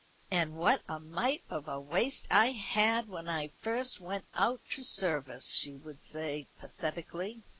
"And what a mite of a waist I had when I first went out to service," she would say pathetically.